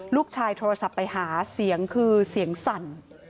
โทรศัพท์ไปหาเสียงคือเสียงสั่น